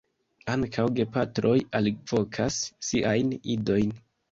Ankaŭ gepatroj alvokas siajn idojn.